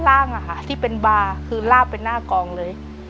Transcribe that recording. ร่างที่เป็นบาร์คือราบเป็นหน้ากองเลย